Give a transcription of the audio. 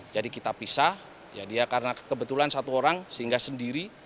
jadi kita pisah ya dia karena kebetulan satu orang sehingga sendiri